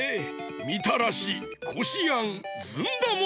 みたらしこしあんずんだもあるぞ。